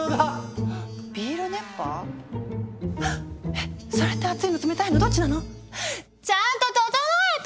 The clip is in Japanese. えっそれって熱いの冷たいのどっちなの⁉ちゃんとととのえて！